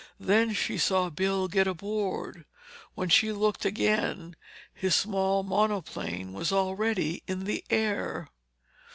Then she saw Bill get aboard. When she looked again, his small monoplane was already in the air.